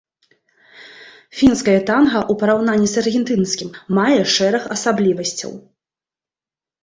Фінскае танга ў параўнанні з аргентынскім мае шэраг асаблівасцяў.